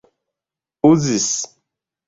uzis